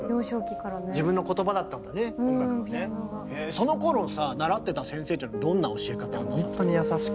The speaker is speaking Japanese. そのころさ習ってた先生っていうのはどんな教え方をなさってた？